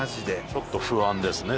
ちょっと不安ですね